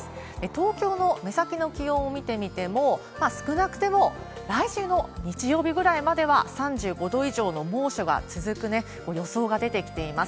東京の目先の気温を見てみても、少なくても来週の日曜日くらいまでは３５度以上の猛暑が続く予想が出てきています。